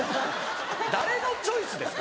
誰のチョイスですか？